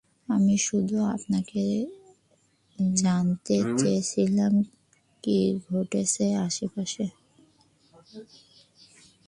আমি শুধু আপনাকে জানাতে চেয়েছিলাম কি ঘটতেছে আশেপাশে।